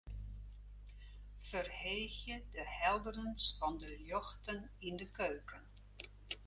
Ferheegje de helderens fan de ljochten yn de keuken.